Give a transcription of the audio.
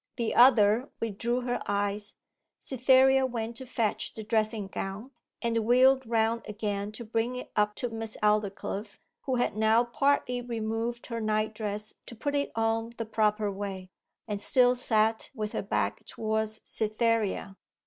The other withdrew her eyes; Cytherea went to fetch the dressing gown, and wheeled round again to bring it up to Miss Aldclyffe, who had now partly removed her night dress to put it on the proper way, and still sat with her back towards Cytherea.